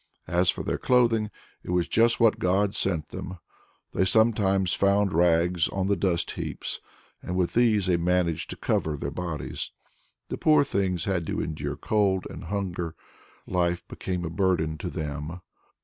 As for their clothing, it was just what God sent them! They sometimes found rags on the dust heaps, and with these they managed to cover their bodies. The poor things had to endure cold and hunger. Life became a burden to them.